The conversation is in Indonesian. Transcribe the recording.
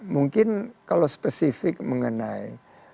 mungkin kalau spesifik mengenai